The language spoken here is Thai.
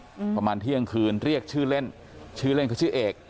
ประมาณเที่ยงคืนเรียกชื่อเล่นชื่อเล่นเขาชื่อเอก